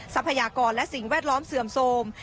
ทรัพยากรและสิ่งแวดล้อมเสื่อมโทรม